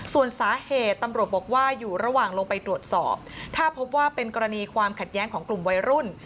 ส่วนสาเหตุตำรวจบอกว่าอยู่ระหว่างลงไปตรวจสอบถ้าพบว่าเป็นกรณีความขัดแย้งของกลุ่มวัยรุ่น